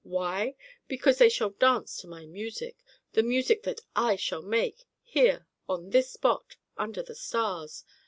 Why? Because they shall dance to my music, the music that I shall make, here, on this spot, under the stars.